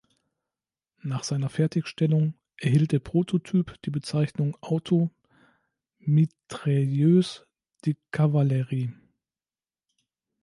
Nach seiner Fertigstellung erhielt der Prototyp die Bezeichnung „Auto Mitrailleuse de Cavalerie“.